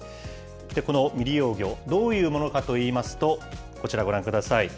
この未利用魚、どういうものかといいますと、こちらご覧ください。